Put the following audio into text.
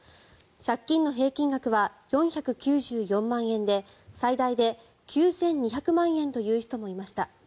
借金の平均額は４９４万円で最大で９２００万円という人もいました。